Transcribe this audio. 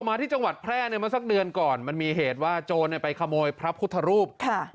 มาที่จังหวัดแพร่ในเมื่อสักเดือนก่อนมันมีเหตุว่าโจรไปขโมยพระพุทธรูป